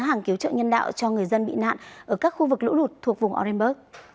hàng cứu trợ nhân đạo cho người dân bị nạn ở các khu vực lũ lụt thuộc vùng orenburg